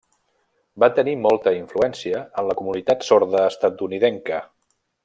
Va tenir molta influència en la comunitat sorda estatunidenca.